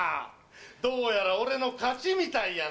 どうやら俺の勝ちみたいやな。